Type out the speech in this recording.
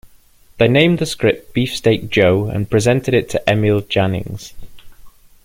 They named the script "Beefsteak Joe" and presented it to Emil Jannings.